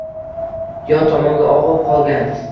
Yon tomonga og‘ib qolgan.